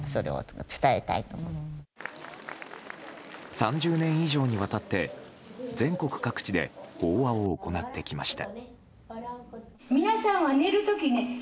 ３０年以上にわたって全国各地で法話を行ってきました。